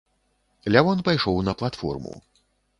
Лявон пайшоў на платформу.